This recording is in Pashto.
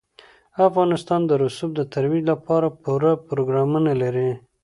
افغانستان د رسوب د ترویج لپاره پوره پروګرامونه لري.